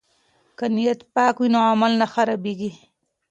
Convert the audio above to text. که نیت پاک وي نو عمل نه خرابیږي.